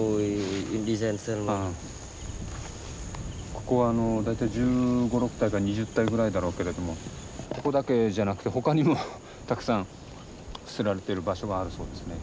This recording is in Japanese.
ここはあの大体１５１６体か２０体ぐらいだろうけれどもここだけじゃなくて他にもたくさん捨てられてる場所があるそうですね。